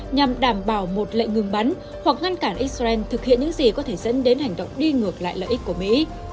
nhằm đảm bảo một lệnh ngừng bắn hoặc ngăn cản israel thực hiện những gì có thể dẫn đến hành động đi ngược lại lợi ích của mỹ